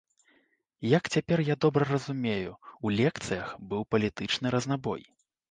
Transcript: Як цяпер я добра разумею, у лекцыях быў палітычны разнабой.